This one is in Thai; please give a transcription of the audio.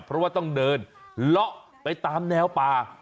เพราะว่าต้องเดินเลาะไปตามแนวป่า